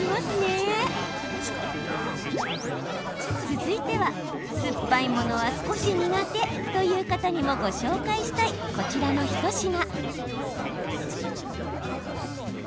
続いては酸っぱいものは少し苦手という方にもご紹介したいこちらの一品。